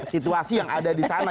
situasi yang ada di sana